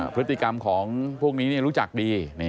พฤติกรรมของพวกนี้รู้จักดี